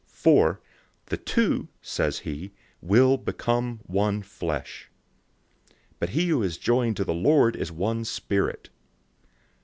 For, "The two," says he, "will become one flesh."{Genesis 2:24} 006:017 But he who is joined to the Lord is one spirit.